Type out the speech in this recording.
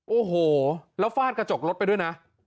โอ้โหแล้วฟาดกระจกรถไปด้วยนะ